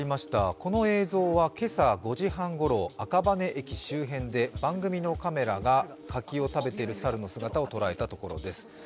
この映像は今朝５時半ごろ、赤羽駅周辺で番組のカメラが柿を食べている猿の姿を捉えたところです。